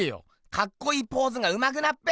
かっこいいポーズがうまくなっぺ！